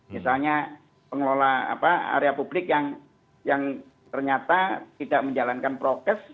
misalnya pengelola area publik yang ternyata tidak menjalankan prokes